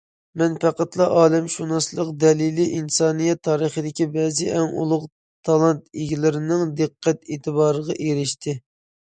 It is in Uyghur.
مەن پەقەتلا، ئالەمشۇناسلىق دەلىلى ئىنسانىيەت تارىخىدىكى بەزى ئەڭ ئۇلۇغ تالانت ئىگىلىرىنىڭ دىققەت- ئېتىبارىغا ئېرىشتى.